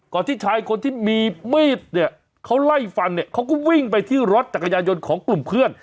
ที่ชายคนที่มีมีดเนี่ยเขาไล่ฟันเนี่ยเขาก็วิ่งไปที่รถจักรยานยนต์ของกลุ่มเพื่อน